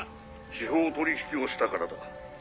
司法取引をしたからだ。